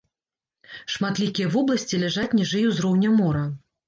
Шматлікія вобласці ляжаць ніжэй узроўня мора.